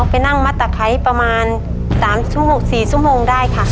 ไปนั่งมัดตะไคร้ประมาณ๓ชั่วโมง๔ชั่วโมงได้ค่ะ